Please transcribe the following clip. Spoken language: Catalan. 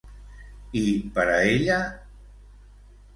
I per a ella?